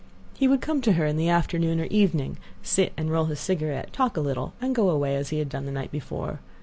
He would come to her in the afternoon or evening, sit and roll his cigarette, talk a little, and go away as he had done the night before.